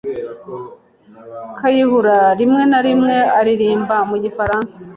Kayihura rimwe na rimwe aririmba mu gifaransa.